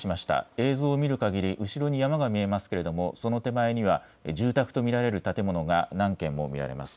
映像を見るかぎり後ろに山が見えますけれどもその手前には住宅と見られる建物が何軒も見られます。